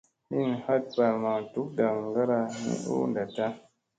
Hin hat balamaŋ duk ndaŋgara ni u ndatta.